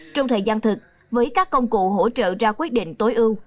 trong thời gian thực với các công cụ hỗ trợ ra quyết định tối ưu